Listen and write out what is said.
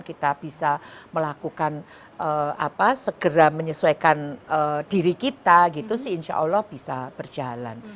kita bisa melakukan apa segera menyesuaikan diri kita gitu sih insya allah bisa berjalan